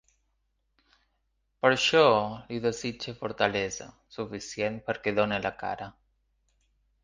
Per això, li desitge fortalesa suficient perquè done la cara.